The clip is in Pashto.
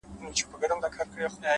صبر د بریا د رسېدو پُل دی’